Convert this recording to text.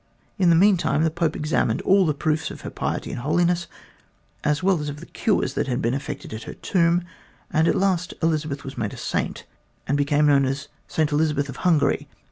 In the meantime the Pope examined all the proofs of her piety and holiness, as well as of the cures that had been effected at her tomb, and at last Elizabeth was made a Saint, and became known as Saint Elizabeth of Hungary.